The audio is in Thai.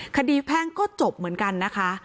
แพ่งก็จบเหมือนกันนะคะ